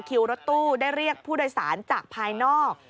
คิวรถตู้ได้เรียกผู้โดยสารจากภายนอก